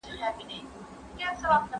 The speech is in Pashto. نړيوالي پروژې د ټولنیز پرمختګ لامل کیږي.